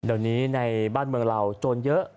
เดี๋ยวนี้ในบ้านเมืองเราโจรเยอะ